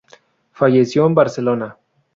Falleció en Barcelona.